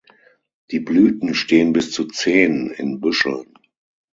Die Blüten stehen bis zu zehn in Büscheln.